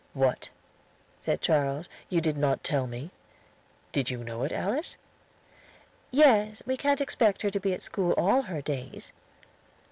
"What?" said Charles; "you did not tell me. Did you know it, Alice?" "Yes; we can't expect her to be at school all her days."